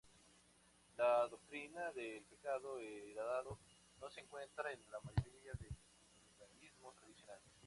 La doctrina del "pecado heredado" no se encuentra en la mayoría del judaísmo tradicional.